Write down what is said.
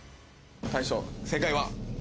大将、正解は？